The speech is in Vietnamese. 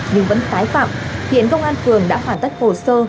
nhưng vẫn phái phạm hiện công an phường đã khoản tất hồ sơ